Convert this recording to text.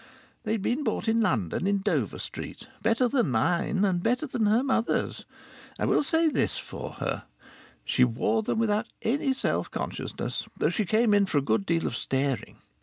They'd been bought in London, in Dover Street. Better than mine, and better than her mother's. I will say this for her she wore them without any self consciousness, though she came in for a good deal of staring.